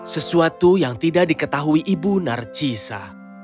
sesuatu yang tidak diketahui ibu narcisa